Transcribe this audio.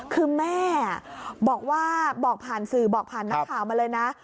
คือแม่บอกว่าบอกผ่านสื่อบอกผ่านนักข่าวมาเลยนะ